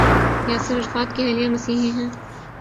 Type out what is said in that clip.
Yasir Arafat کی اہلیہ مسیحی ہیں۔